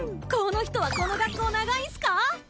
この人はこの学校長いんすか？